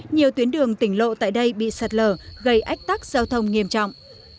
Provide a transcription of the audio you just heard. nhiều tuyến đường tỉnh lộ tại đây bị sạt lở gây ách tắc giao thông nghiêm trọng